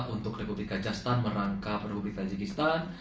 untuk republik kajastan merangka republik tajikistan